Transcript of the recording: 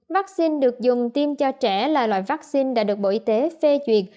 vaccine được dùng tiêm cho trẻ là loại vaccine đã được bộ y tế phê duyệt